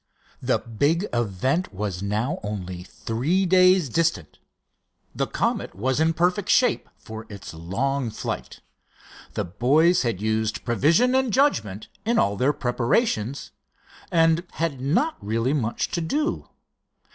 The big event was now only three days distant. The Comet was in perfect shape for its long flight. The boys had used prevision and judgment in all their preparations; and had not really much to do.